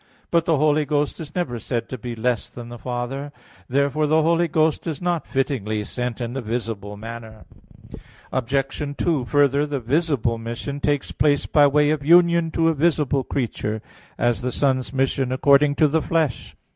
But the Holy Ghost is never said to be less than the Father. Therefore the Holy Ghost is not fittingly sent in a visible manner. Obj. 2: Further, the visible mission takes place by way of union to a visible creature, as the Son's mission according to the flesh.